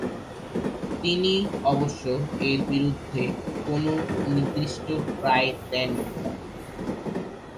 তিনি অবশ্য এর বিরুদ্ধে কোনও নির্দিষ্ট রায় দেননি।